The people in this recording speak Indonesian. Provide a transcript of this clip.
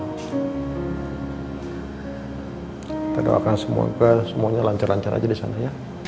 kita doakan semoga semuanya lancar lancar aja di sana ya